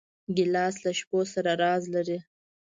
ګیلاس له شپو سره راز لري.